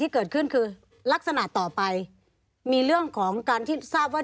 มีความรู้สึกว่ามีความรู้สึกว่ามีความรู้สึกว่า